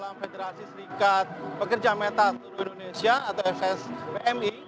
dalam federasi serikat pekerja meta seluruh indonesia atau fsbmi